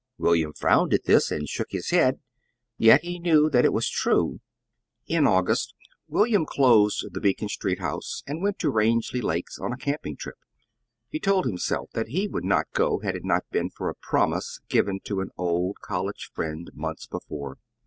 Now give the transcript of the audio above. William frowned at this, and shook his head; yet he knew that it was true. In August William closed the Beacon street house and went to the Rangeley Lakes on a camping trip. He told himself that he would not go had it not been for a promise given to an old college friend months before.